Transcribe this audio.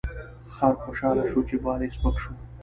خر خوشحاله شو چې بار یې سپک شو.